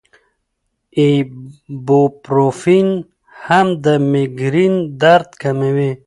ایبوپروفین هم د مېګرین درد کموي.